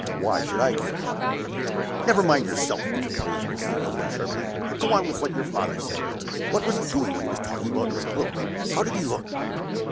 Why should I care about it?" "Never mind yourself," interposed Mrs. Milroy, sharply. "Go on with what your father said. What was he doing when he was talking about Miss Gwilt? How did he look?"